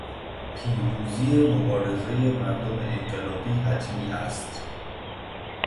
پیروزی مبارزهٔ مردم انقلابی حتمی است.